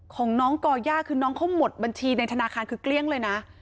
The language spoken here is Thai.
ของน้องก่อย่าคือน้องเขาหมดบัญชีในธนาคารคือเกลี้ยงเลยนะ